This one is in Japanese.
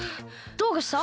どうかした？